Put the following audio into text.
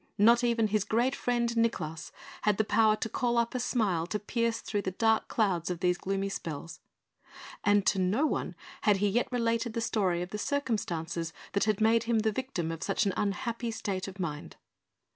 Not even his greatest friend, Nicklaus, had the power to call up a smile to pierce through the dark clouds of these gloomy spells; and to no one had he yet related the story of the circumstances that had made him the victim of such an unhappy state of mind.